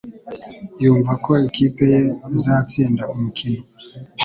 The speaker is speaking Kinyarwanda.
yumva ko ikipe ye izatsinda umukino.